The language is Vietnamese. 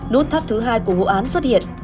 nút thắt thứ hai của vụ án xuất hiện